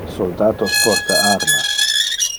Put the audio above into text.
Soldatos porta armas.